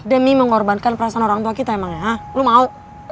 demi mengorbankan perasaan orang tua kita emang ya lu mau